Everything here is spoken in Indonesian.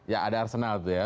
ya ada arsenal tuh ya